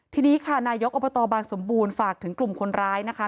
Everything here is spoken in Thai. ทีนี้ค่ะนายกอบตบางสมบูรณ์ฝากถึงกลุ่มคนร้ายนะคะ